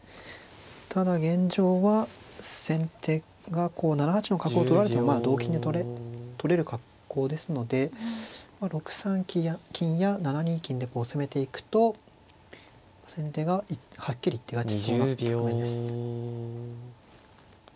ただ現状は先手がこう７八の角を取られてまあ同金で取れる格好ですので６三金や７二金で攻めていくと先手がはっきり一手勝ちしそうな局面です。